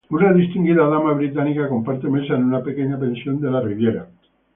Una distinguida dama británica comparte mesa en una pequeña pensión de la Riviera.